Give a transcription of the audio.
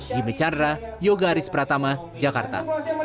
jimmy chandra yoga aris pratama jakarta